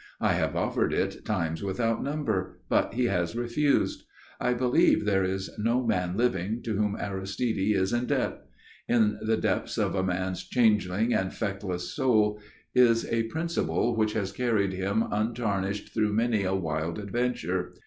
I have offered it times without number, but he has refused. I believe there is no man living to whom Aristide is in debt. In the depths of the man's changeling and feckless soul is a principle which has carried him untarnished through many a wild adventure.